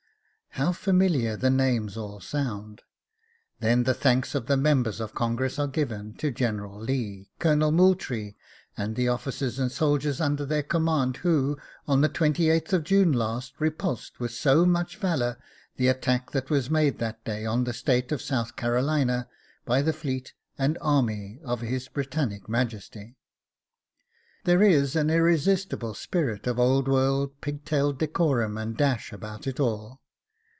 How familiar the names all sound! Then the thanks of the Members of Congress are given to 'General Lee, Colonel Moultrie, and the officers and soldiers under their command who on the 28th of June last Repulsed with so much Valour the attack that was made that day on the State of South Carolina by the fleet and army of his Britannic Majesty.' There is an irresistible spirit of old world pigtail decorum and dash about it all.